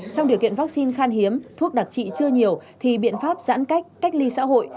trong điều kiện vaccine khan hiếm thuốc đặc trị chưa nhiều thì biện pháp giãn cách cách ly xã hội